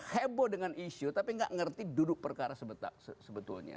heboh dengan isu tapi nggak ngerti duduk perkara sebetulnya